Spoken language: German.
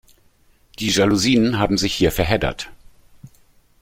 Die Jalousien haben sich hier verheddert.